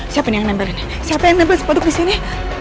siapa nih yang nempelin siapa yang nempelin sepatu disini